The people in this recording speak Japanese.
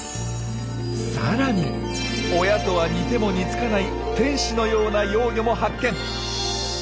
さらに親とは似ても似つかない天使のような幼魚も発見。